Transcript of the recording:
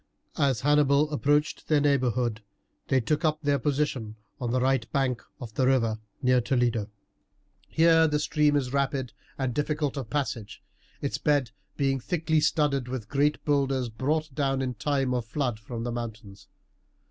As Hannibal approached their neighbourhood they took up their position on the right bank of the river near Toledo. Here the stream is rapid and difficult of passage, its bed being thickly studded with great boulders brought down in time of flood from the mountains.